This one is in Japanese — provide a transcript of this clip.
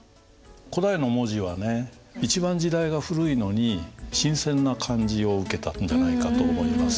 古代の文字はね一番時代が古いのに新鮮な感じを受けたんではないかと思います。